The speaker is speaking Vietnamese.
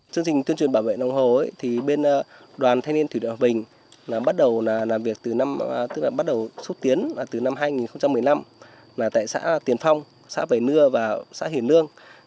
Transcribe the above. chương trình tuyên truyền bảo vệ nòng hồ thì bên đoàn thanh niên thủy điện hòa bình bắt đầu xuất tiến từ năm hai nghìn một mươi năm là tại xã tiền phong xã vầy nưa và xã hiền lương